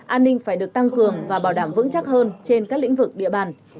an ninh phải được tăng cường và bảo đảm vững chắc hơn trên các lĩnh vực địa bàn